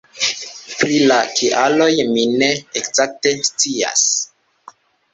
Pri la kialoj mi ne ekzakte scias.